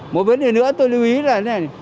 một vấn đề nữa tôi lưu ý là